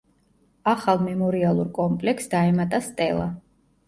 ახალ მემორიალურ კომპლექსს დაემატა სტელა.